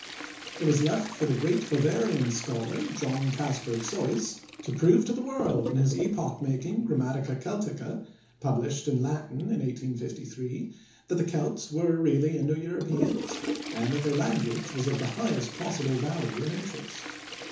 It was left for the great Bavarian scholar, John Caspar Zeuss, to prove to the world in his epoch making "Grammatica Celtica" (published in Latin in 1853) that the Celts were really Indo Europeans, and that their language was of the highest possible value and interest.